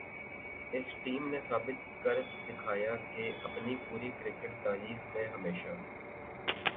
اس team نے ثابت کر دکھایا کہ اپنی پوری کرکٹ تاریخ میں ہمیشہ